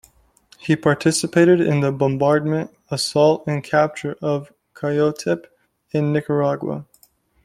He participated in the bombardment, assault, and capture of Coyotepe in Nicaragua.